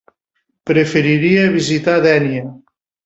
Preferiria visitar Dénia.